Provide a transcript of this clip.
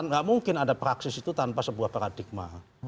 nggak mungkin ada praksis itu tanpa sebuah paradigma